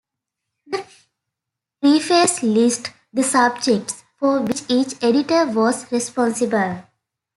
The preface lists the subjects for which each editor was responsible.